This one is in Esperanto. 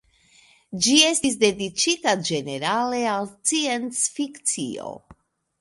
Ĝi estis dediĉita ĝenerale al sciencfikcio.